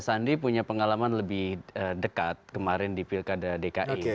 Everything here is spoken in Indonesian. sandi punya pengalaman lebih dekat kemarin di pilkada dki